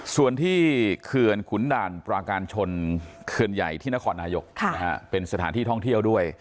ส่วนที่เขื่อนขุนด่านปราการชนเขื่อนใหญ่ที่นครนายกเป็นสถานที่ท่องเที่ยวด้วย